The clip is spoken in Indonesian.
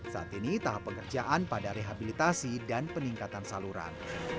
saat ini tahap pengerjaan pada rehabilitasi dan peningkatan saluran